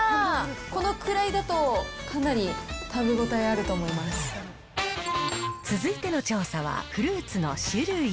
このくらいだと、かなり食べ応え続いての調査は、フルーツの種類。